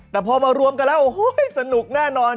แต่พอมารวมกันแล้วโอ้โหสนุกแน่นอน